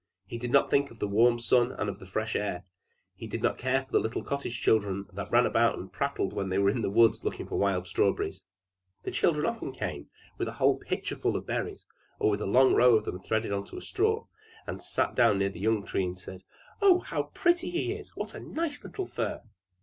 He did not think of the warm sun and of the fresh air; he did not care for the little cottage children that ran about and prattled when they were in the woods looking for wild strawberries. The children often came with a whole pitcher full of berries, or a long row of them threaded on a straw, and sat down near the young tree and said, "Oh, how pretty he is! What a nice little fir!"